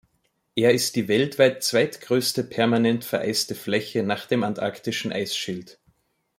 Er ist die weltweit zweitgrößte permanent vereiste Fläche nach dem Antarktischen Eisschild.